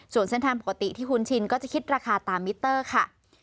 ส่วนเส้นทางปกติที่คุ้นชินก็จะคิดราคาตามมิเตอร์ค่ะ